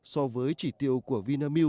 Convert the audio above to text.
so với chỉ tiêu của vinamilk